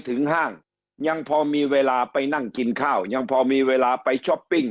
ห้างยังพอมีเวลาไปนั่งกินข้าวยังพอมีเวลาไปช้อปปิ้ง